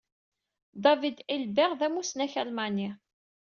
David Hilbert d amusnak almani.